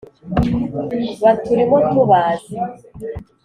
baturimo tubazi